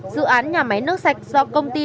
dự án nhà máy nước sạch do công ty